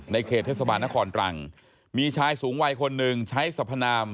เขตเทศบาลนครตรังมีชายสูงวัยคนหนึ่งใช้สัพพนาม